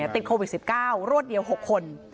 ติดโควิด๑๙รวดเดียว๖คน